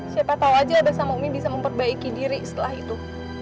siapa tahu aja deh sama umi bisa memperbaiki diri setelah itu